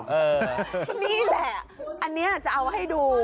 นี่แหละอันนี้จะเอามาให้ดู